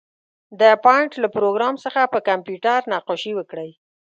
د پېنټ له پروګرام څخه په کمپیوټر نقاشي وکړئ.